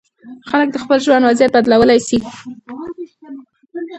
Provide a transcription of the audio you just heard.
خلک د خپل ژوند وضعیت بدلولی سي.